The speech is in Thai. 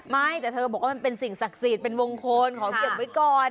ไม่แต่เธอบอกว่ามันเป็นสิ่งศักดิ์สิทธิ์เป็นวงโคนขอเก็บไว้ก่อน